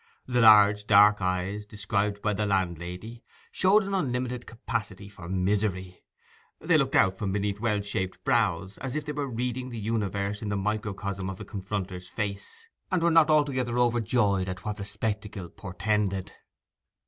The large dark eyes, described by the landlady, showed an unlimited capacity for misery; they looked out from beneath well shaped brows as if they were reading the universe in the microcosm of the confronter's face, and were not altogether overjoyed at what the spectacle portended.